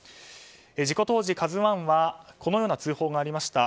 事故当時、「ＫＡＺＵ１」はこのような通報がありました。